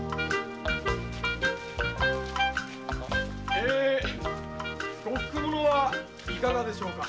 え呉服物はいかがでしょうか。